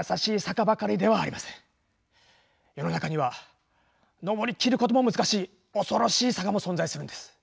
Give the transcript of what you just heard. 世の中には上り切ることも難しい恐ろしい坂も存在するんです。